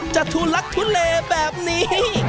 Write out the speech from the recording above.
จะททุเลแบบนี้